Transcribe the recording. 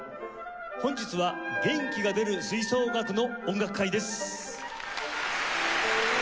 本日は「元気が出る吹奏楽の音楽会」です。